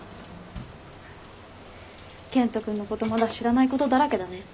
健人君のことまだ知らないことだらけだね。